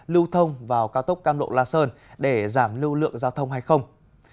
lưu thông vào cao tốc cam lộ la sơn để giảm lưu lượng giao thông hay không